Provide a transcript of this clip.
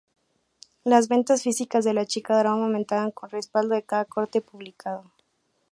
Las ventas físicas de "La Chica Dorada" aumentaban con respaldo de cada corte publicado.